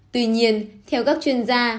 tuy nhiên theo các chuyên gia